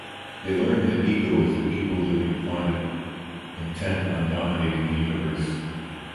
They learn that Ego is an evil living planet intent on dominating the universe.